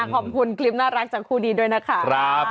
ขอบคุณคลิปน่ารักจากคู่นี้ด้วยนะคะ